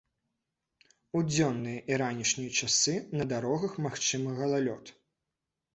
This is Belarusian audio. У дзённыя і ранішнія часы на дарогах магчымы галалёд.